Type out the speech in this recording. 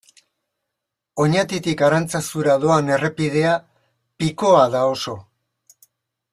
Oñatitik Arantzazura doan errepidea pikoa da oso.